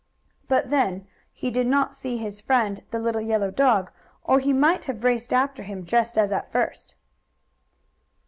But then he did not see his friend, the little yellow dog, or he might have raced after him just as at first.